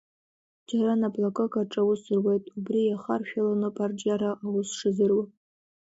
Џьара наплакык аҿы аус руеит, убри иахаршәаланоуп арҿиара аус шазыруа.